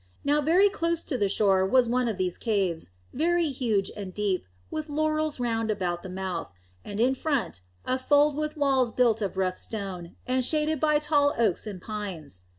Now very close to the shore was one of these caves, very huge and deep, with laurels round about the mouth, and in front a fold with walls built of rough stone, and shaded by tall oaks and pines.